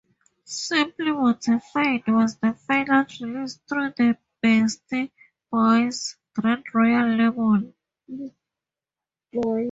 "Simply Mortified" was the final release through the Beastie Boys' Grand Royal label.